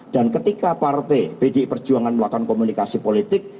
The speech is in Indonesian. dan ketika partai bdi perjuangan melakukan komunikasi politik